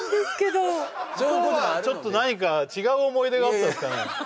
向こうはちょっと何か違う思い出があったんですかね